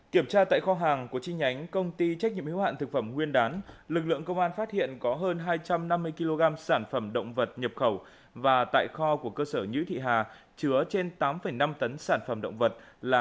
kiểm tra tại kho hàng của chi nhánh công ty trách nhiệm hiếu hạn thực phẩm nguyên đán lực lượng công an phát hiện có hơn hai trăm năm mươi kg sản phẩm động vật nhập khẩu và tại kho của cơ sở nhữ thị hà chứa trên tám năm tấn sản phẩm động vật